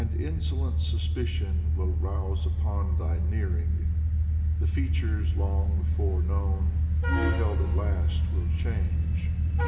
And insolent suspicion will rouse upon Thy nearing. The features long foreknown, beheld at last, will change.